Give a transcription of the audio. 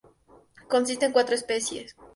Consiste en cuatro especie.